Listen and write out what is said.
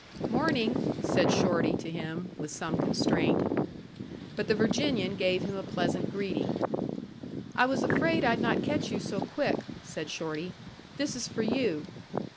"Morning," said Shorty to him, with some constraint. But the Virginian gave him a pleasant greeting, "I was afraid I'd not catch you so quick," said Shorty. "This is for you."